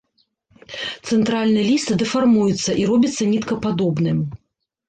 Цэнтральны ліст дэфармуецца і робіцца ніткападобным.